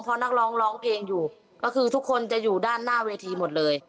เพราะนักร้องร้องเพลงอยู่ก็คือทุกคนจะอยู่ด้านหน้าเวทีหมดเลย